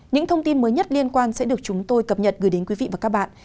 những thông tin mới nhất liên quan sẽ được chúng tôi cập nhật gửi đến quý vị và các bạn